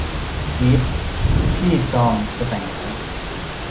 กี๊ด พี่จอมจะแต่งแล้ว